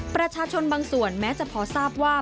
ประชาชนบางส่วนแม้จะพอทราบว่า